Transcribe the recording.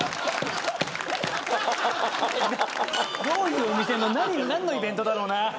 どういうお店の何のイベントだろうな。